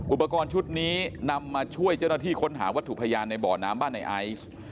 อุปกรณ์ชุดนี้นำมาช่วยเจ้าหน้าที่ค้นหาวัตถุพยานในบ่อน้ำบ้านในไอซ์